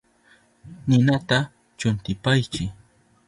Ninata chuntipaychi.